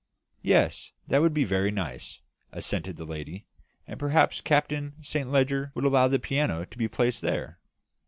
"Yes, that would be very nice," assented the lady. "And perhaps Captain Saint Leger would allow the piano to be placed there?"